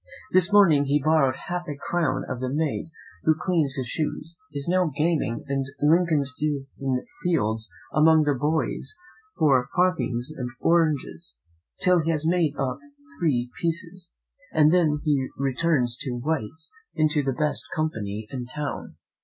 This morning he borrowed half a crown of the maid who cleans his shoes, and is now gaming in Lincoln's Inn Fields among the boys for farthings and oranges, till he has made up three pieces, and then he returns to White's into the best company in town."